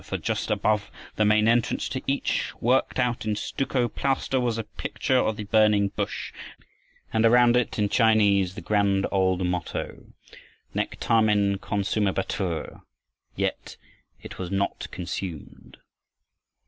For, just above the main entrance to each, worked out in stucco plaster, was a picture of the burning bush, and around it in Chinese the grand old motto: "Nec tamen consumebatur" ("Yet it was not consumed.")